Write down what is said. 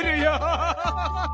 アハハハハ！